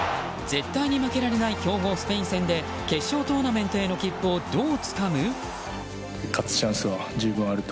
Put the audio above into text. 絶対に負けられない強豪スペイン戦で決勝トーナメントへの切符をどうつかむ？